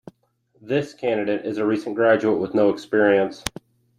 This candidate is a recent graduate with no experience.